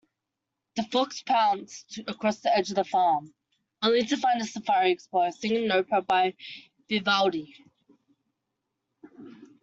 The fox pounced across the edge of the farm, only to find a safari explorer singing an opera by Vivaldi.